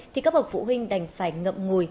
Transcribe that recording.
thì các bậc phụ huynh đành phải ngậm ngùi